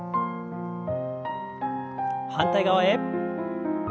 反対側へ。